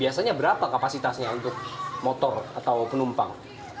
biasanya berapa kapasitasnya untuk motor atau penumpang